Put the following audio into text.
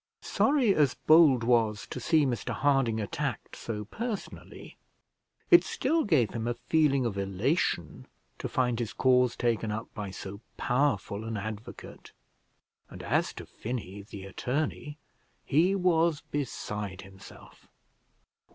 Sorry as Bold was to see Mr Harding attacked so personally, it still gave him a feeling of elation to find his cause taken up by so powerful an advocate: and as to Finney, the attorney, he was beside himself.